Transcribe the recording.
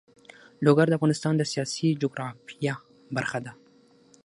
لوگر د افغانستان د سیاسي جغرافیه برخه ده.